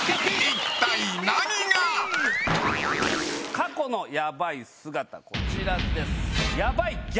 過去のヤバい姿こちらです。